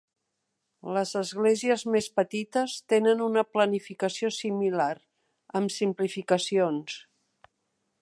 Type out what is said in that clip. Les esglésies més petites tenen una planificació similar, amb simplificacions.